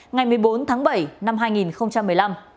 ngày một mươi bốn tháng bảy năm hai nghìn một mươi năm